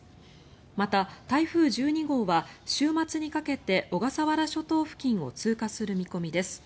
また、台風１２号は週末にかけて小笠原諸島付近を通過する見込みです。